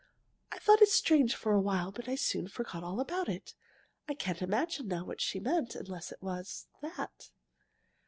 I thought it strange for a while, but soon forgot all about it. I can't imagine now what she meant, unless it was that.